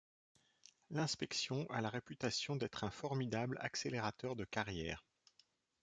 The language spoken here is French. L'inspection a la réputation d'être un formidable accélérateur de carrière.